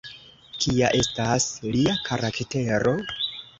Kia estas lia karaktero?